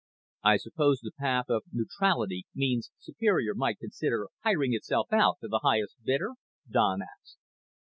"I suppose the 'path of neutrality' means Superior might consider hiring itself out to the highest bidder?" Don asked.